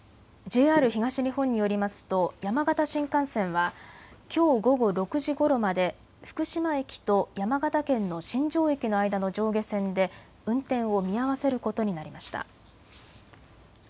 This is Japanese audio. ＪＲ東日本によりますと山形新幹線はきょう午後６時ごろまで福島駅と山形県の新庄駅の間の上下線で運転を見合わせることになりました。